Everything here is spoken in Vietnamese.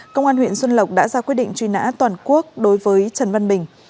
công an huyện xuân lộc đã ra quyết định truy nã toàn quốc đối với trần văn bình